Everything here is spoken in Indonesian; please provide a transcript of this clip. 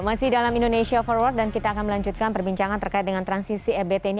masih dalam indonesia forward dan kita akan melanjutkan perbincangan terkait dengan transisi ebt ini